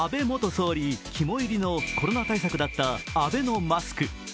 元総理肝煎りのコロナ対策だったアベノマスク。